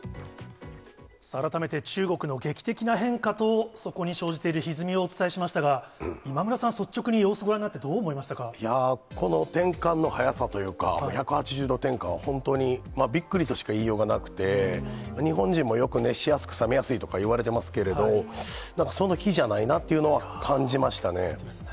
改めて中国の劇的な変化と、そこに生じているひずみをお伝えしましたが、今村さん、率直に様子ご覧になって、いやー、この転換の早さというか、１８０度転換は本当にびっくりとしか言いようがなくて、日本人もよく、熱しやすく冷めやすいとかいわれてますけど、その比じゃないなっていうのは、感じましたね。